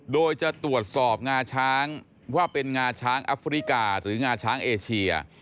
โดยจะตรวจสอบงาช้างว่าเป็นงาช้างแอฟริกาหรืองาช้างเอเชีย